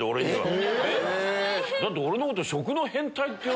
だって俺のこと。